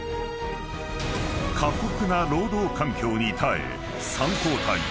［過酷な労働環境に耐え］